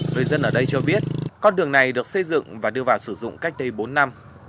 người dân ở đây cho biết con đường này được xây dựng và đưa vào sử dụng cách đây bốn năm